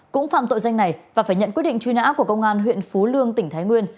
cũng phạm tội danh này và phải nhận quyết định truy nã của công an huyện phú lương tỉnh thái nguyên